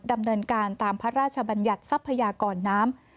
ดำเนินการตามพระราชบัญญัติทรัพยากรน้ำ